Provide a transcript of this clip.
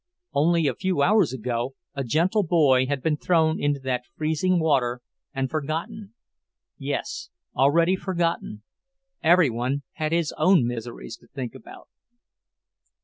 Only a few hours ago a gentle boy had been thrown into that freezing water and forgotten. Yes, already forgotten; every one had his own miseries to think about.